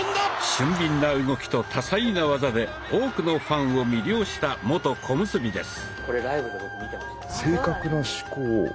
俊敏な動きと多彩な技で多くのファンを魅了した元小結です。